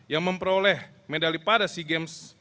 yang memperoleh medali pada sea games